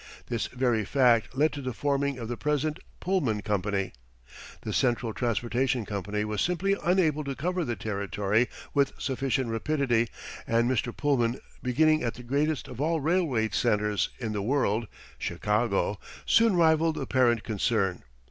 This very fact led to the forming of the present Pullman Company. The Central Transportation Company was simply unable to cover the territory with sufficient rapidity, and Mr. Pullman beginning at the greatest of all railway centers in the world Chicago soon rivaled the parent concern.